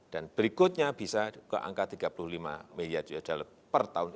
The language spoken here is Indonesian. dan berikutnya bisa ke angka tiga puluh lima miliar usd per tahun